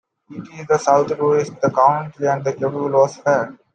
It is in the south-west of the country, and its capital was Fier.